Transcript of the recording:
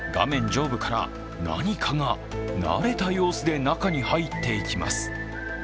上部から何かが慣れた様子で中に入っていきます。